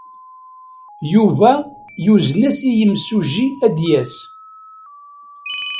Yuba yuzen-as i yimsujji ad d-yas.